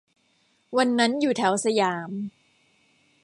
วันนั้นอยู่แถวสยาม